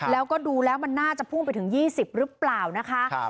แล้วก็ดูแล้วมันน่าจะพุ่งไปถึง๒๐หรือเปล่านะคะ